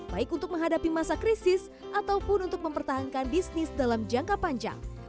baik untuk menghadapi masa krisis ataupun untuk mempertahankan bisnis dalam jangka panjang